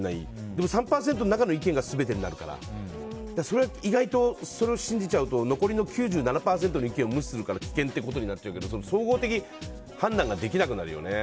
でも３％の中の意見が全てになるから意外とそれを信じちゃうと残りの９７％の意見を無視するから危険ということになっちゃうけど総合的判断ができなくなっちゃうよね。